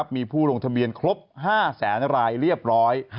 มีผู้ลงทะเบียนครบ๕แสนรายเรียบร้อย